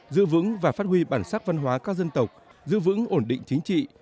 giữ vững và phát huy bản sắc văn hóa các dân tộc giữ vững ổn định chính trị